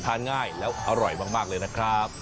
ง่ายแล้วอร่อยมากเลยนะครับ